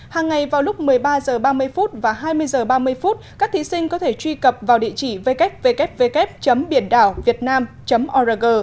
hàng ngày vào lúc một mươi ba h ba mươi và hai mươi h ba mươi các thí sinh có thể truy cập vào địa chỉ www biểnđảo org